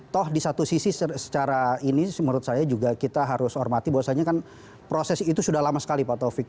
toh di satu sisi secara ini menurut saya juga kita harus hormati bahwasannya kan proses itu sudah lama sekali pak taufik